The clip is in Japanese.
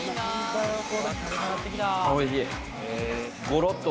おいしい。